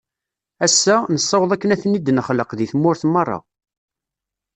Ass-a, nessaweḍ akken ad ten-id-nexlaq di tmurt merra.